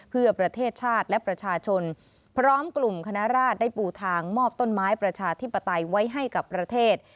เพื่อประเทศชาติและประชาชนพร้อมกลุ่มคณะราชได้ปูทางมอบต้นไม้ประชาธิปไตยไว้ให้กับประเทศ